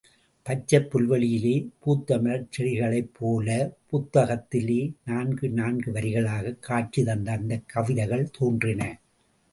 பச்சைப் புல்வெளியிலே பூத்தமலர்ச் செடிகளைப்போல, புத்தகத்திலே நான்கு நான்கு வரிகளாகக் காட்சி தந்த அந்தக் கவிதைகள் தோன்றின.